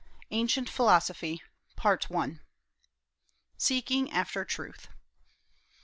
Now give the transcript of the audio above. ANCIENT PHILOSOPHY. SEEKING AFTER TRUTH.